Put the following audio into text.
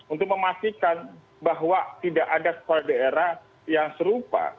untuk memastikan bahwa tidak ada kepala daerah yang serupa